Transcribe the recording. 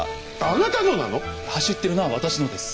あなたのなの⁉走ってるのは私のです。